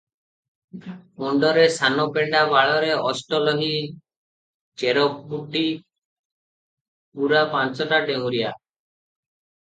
ମୁଣ୍ଡରେ ସାନ ପେଣ୍ଡା ବାଳରେ ଅଷ୍ଟଲୋହି ଚେର ବୁଟି ପୂରା ପାଞ୍ଚଟା ଡେଉଁରିଆ ।